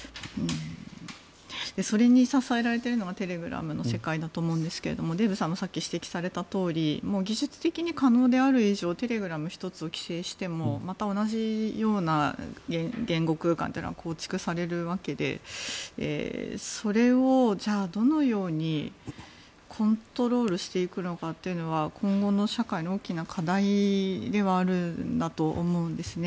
それに支えられているのがテレグラムの世界だと思うんですけどデーブさんもさっき指摘されたとおり技術的に可能である以上テレグラム１つ規制しても、また同じような言語空間というのは構築されるわけでそれをじゃあ、どのようにコントロールしていくのかは今後の社会の大きな課題ではあるんだと思うんですね。